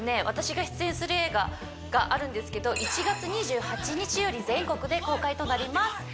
私が出演する映画があるんですけど１月２８日より全国で公開となります